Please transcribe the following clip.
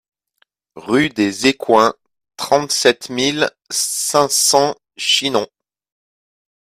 Rue des Écoins, trente-sept mille cinq cents Chinon